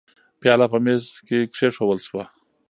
پیاله په مېز کې کېښودل شوه.